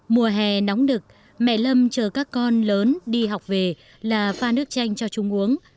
mùa hè nóng đực mẹ lâm chờ các con lớn đi học về là pha nước chanh cho chúng uống